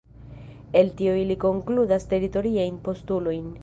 El tio ili konkludas teritoriajn postulojn.